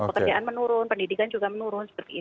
pekerjaan menurun pendidikan juga menurun